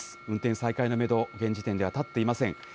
運転再開のメド、現時点では立っていません。